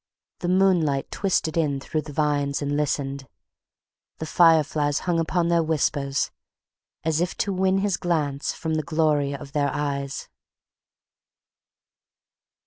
the moonlight twisted in through the vines and listened... the fireflies hung upon their whispers as if to win his glance from the glory of their eyes.